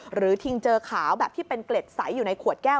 ทิงเจอขาวแบบที่เป็นเกล็ดใสอยู่ในขวดแก้ว